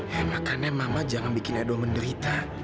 ya makanya mama jangan bikin edo menderita